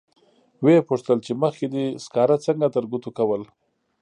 و یې پوښتل چې مخکې دې سکاره څنګه ترګوتو کول.